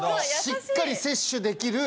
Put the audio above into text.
しっかり摂取できる。